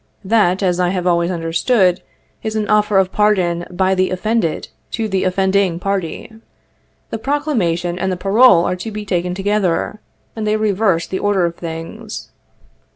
That, as I have always understood, is an offer of pardon by the offended to the offending party. The proclamation and the parole are to be taken together, and they reverse the order of things.